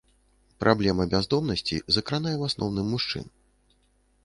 Праблема бяздомнасці закранае ў асноўным мужчын.